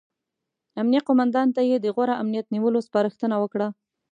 امنیه قوماندان ته یې د غوره امنیت نیولو سپارښتنه وکړه.